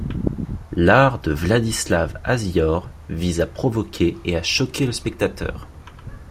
L'art de Władysław Hasior vise à provoquer et à choquer le spectateur.